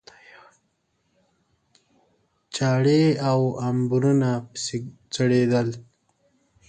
چاړې او امبورونه پسې ځړېدل.